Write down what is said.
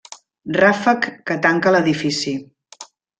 Ràfec que tanca l'edifici.